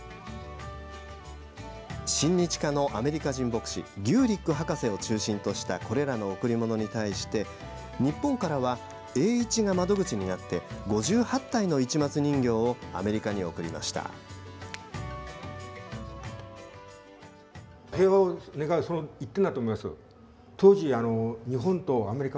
親日家のアメリカ人牧師ギューリック博士を中心としたこれらの贈り物に対して日本からは、栄一が窓口になり５８体の市松人形をアメリカに贈りました。